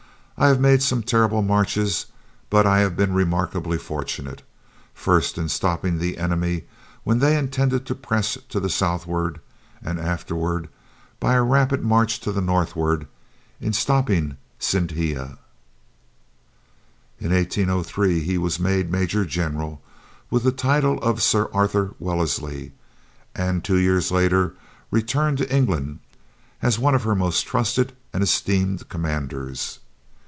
"I have made some terrible marches, but I have been remarkably fortunate; first, in stopping the enemy when they intended to press to the southward; and afterwards, by a rapid march to the northward, in stopping Sindhia." In 1803, he was made Major General, with the title of Sir Arthur Wellesley; and two years later returned to England as one of her most trusted and esteemed commanders.